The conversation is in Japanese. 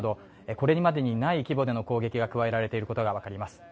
これまでにない規模での攻撃が加えられていることが分かります。